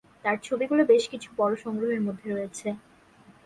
তার ছবিগুলি বেশ কিছু বড়ো সংগ্রহের মধ্যে রয়েছে।